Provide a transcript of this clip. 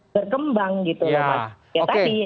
berkembang gitu ya mas